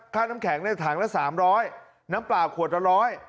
ค่าน้ำแข็งได้ถังละ๓๐๐บาทน้ำปลาขวดละ๑๐๐บาท